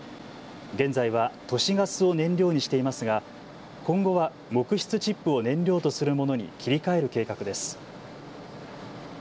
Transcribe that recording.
現在は都市ガスを燃料にしていますが、今後は木質チップを燃料とするものに切り替える計画です。